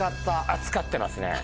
扱ってますね。